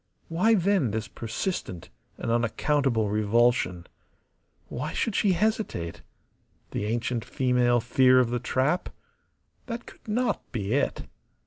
Why, then, this persistent and unaccountable revulsion? Why should she hesitate? The ancient female fear of the trap? That could not be it.